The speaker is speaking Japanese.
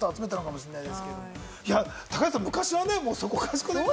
高橋さん、昔はそこかしこで。